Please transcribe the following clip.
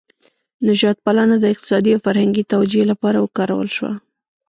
نژاد پالنه د اقتصادي او فرهنګي توجیه لپاره وکارول شوه.